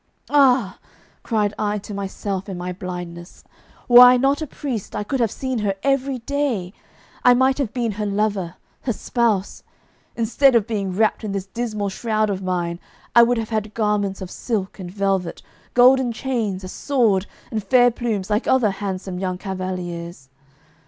'Ah!' cried I to myself in my blindness, 'were I not a priest I could have seen her every day; I might have been her lover, her spouse. Instead of being wrapped in this dismal shroud of mine I would have had garments of silk and velvet, golden chains, a sword, and fair plumes like other handsome young cavaliers.